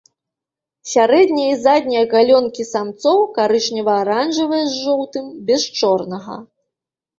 Сярэднія і заднія галёнкі самцоў карычнева-аранжавыя з жоўтым, без чорнага.